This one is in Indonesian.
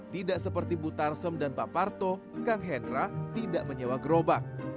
tidak seperti bu tarsem dan pak parto kang hendra tidak menyewa gerobak